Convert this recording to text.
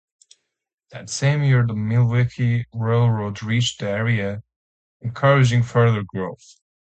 That same year the Milwaukee Railroad reached the area, encouraging further growth.